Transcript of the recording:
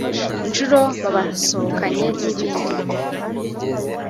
inshuro babasohokanye n’ibindi